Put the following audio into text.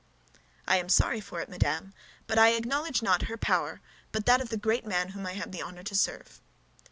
"I am sorry for it, madame, but I acknowledge no other power but that of the great man whom I have the honor to serve."